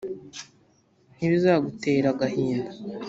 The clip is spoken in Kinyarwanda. ntibizagutere agahinda;